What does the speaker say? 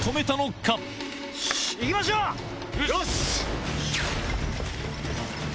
よし！